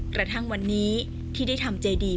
กระทั่งวันนี้ที่ได้ทำเจดี